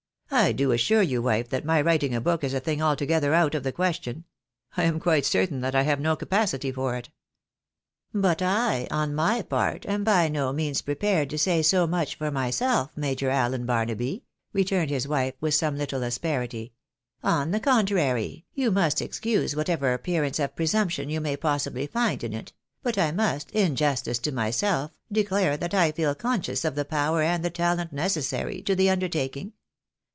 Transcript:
" I do assure you, wife, that my writing a book is a thing altogether out of the question. I am quite certain that I have no capacity for it." " But I, on my part, am by no means prepared to say so much for myself. Major Allen Barnaby," returned his wife, with some little asperity ;" on the contrary, you must excuse whatever appear ance of presumption you may possibly find in it ; but I must, in justice to myself, declare that I feel conscious of the power and the talent necessary to the undertaking.